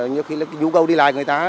nhiều khi là nhu cầu đi lại người ta